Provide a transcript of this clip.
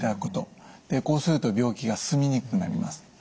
こうすると病気が進みにくくなります。